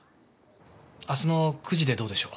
明日の９時でどうでしょう？